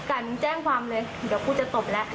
กันแจ้งความเลยเดี๋ยวกูจะตบแล้ว